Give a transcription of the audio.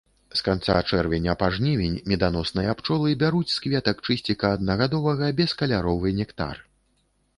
З канца чэрвеня па жнівень меданосныя пчолы бяруць з кветак чысціка аднагадовага бескаляровы нектар.